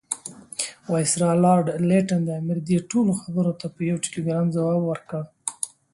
وایسرا لارډ لیټن د امیر دې ټولو خبرو ته په یو ټلګراف ځواب ورکړ.